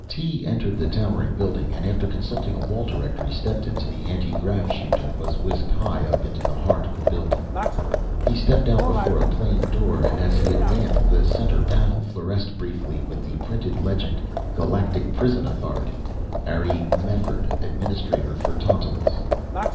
Tee entered the towering building and after consulting a wall directory stepped into the antigrav chute and was whisked high up into the heart of the building. He stepped out before a plain door and as he advanced the center panel fluoresced briefly with the printed legend GALACTIC PRISON AUTHORITY, Ary Mefford, Administrator for Tantalus.